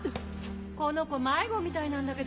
この子迷子みたいなんだけど。